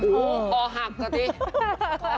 ก่อหักใจที่